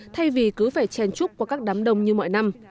thay vì cứ phải chen trúc qua các đám đông như mọi năm